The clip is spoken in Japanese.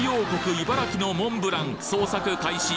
茨城のモンブラン捜索開始